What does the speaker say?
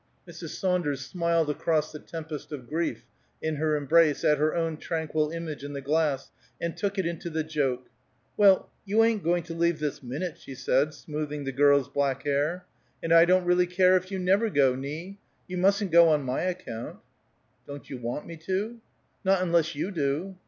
Mrs. Saunders smiled across the tempest of grief in her embrace, at her own tranquil image in the glass, and took it into the joke. "Well, you ain't going to leave this minute," she said, smoothing the girl's black hair. "And I don't really care if you never go, Nie. You mustn't go on my account." "Don't you want me to?" "Not unless you do."